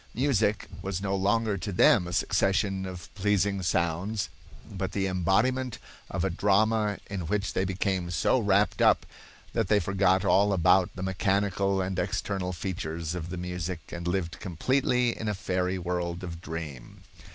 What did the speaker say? Music was no longer to them a succession of pleasing sounds, but the embodiment of a drama in which they became so wrapped up that they forgot all about the mechanical and external features of the music and lived completely in a fairy world of dream.